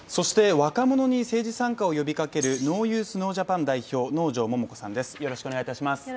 若者に政治参加を呼びかけるＮＯＹＯＵＴＨＮＯＪＡＰＡＮの能條桃子さんです。